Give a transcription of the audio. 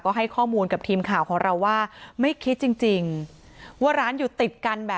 จนใดเจ้าของร้านเบียร์ยิงใส่หลายนัดเลยค่ะ